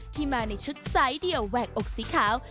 ที่มาในชุดไซส์เดี่ยวแหวกอกสีขาว